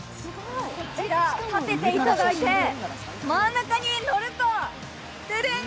こちら、立てていただいて真ん中に乗ると、ティレン！